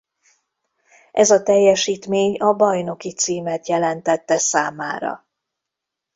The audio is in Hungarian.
Ez a teljesítmény a bajnoki címet jelentette számára.